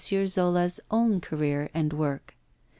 Zola's own career and work.